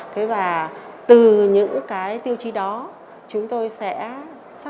thế và từ những cái tiêu chí đó chúng tôi sẽ sắp xếp